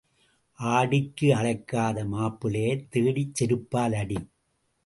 ஆடிக்கு அழைக்காத மாப்பிள்ளையைத் தேடிச் செருப்பால் அடி.